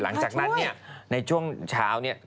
หลังจากนั้นเนี่ยในช่วงเช้าเนี่ย